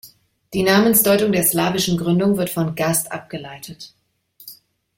Die Namensdeutung der slawischen Gründung wird von „Gast“ abgeleitet.